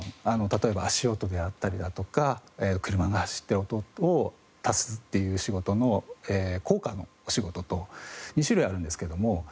例えば足音であったりだとか車が走っている音を足すっていう仕事の効果のお仕事と２種類あるんですけれども。